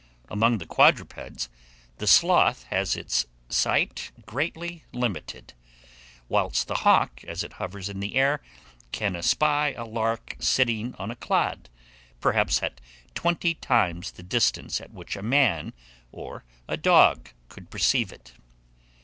Among the quadrupeds, the sloth has its sight greatly limited; whilst the hawk, as it hovers in the air, can espy a lark sitting on a clod, perhaps at twenty times the distance at which a man or a dog could perceive it."